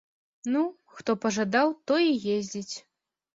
Ну, хто пажадаў, той і ездзіць.